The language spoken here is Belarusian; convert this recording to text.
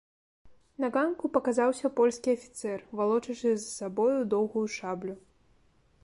На ганку паказаўся польскі афіцэр, валочачы за сабою доўгую шаблю.